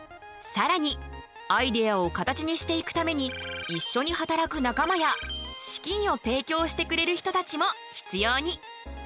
さらにアイデアを形にしていくために一緒に働く仲間や資金を提供してくれる人たちも必要に！